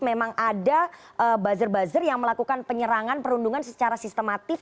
memang ada buzzer buzzer yang melakukan penyerangan perundungan secara sistematif